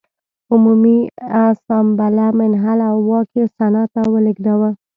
عمومي اسامبله منحل او واک یې سنا ته ولېږداوه.